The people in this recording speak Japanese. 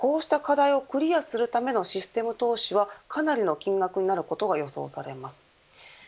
こうした課題をクリアするためのシステム投資はかなりの金額になることが予想されます。